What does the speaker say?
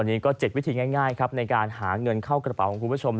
อันนี้ก็๗วิธีง่ายครับในการหาเงินเข้ากระเป๋าของคุณผู้ชม